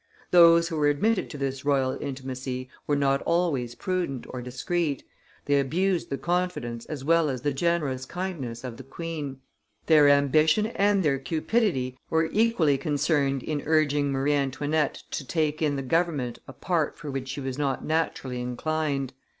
Those who were admitted to this royal intimacy were not always prudent or discreet, they abused the confidence as well as the generous kindness of the queen; their ambition and their cupidity were equally concerned in urging Marie Antoinette to take in the government a part for which she was not naturally inclined.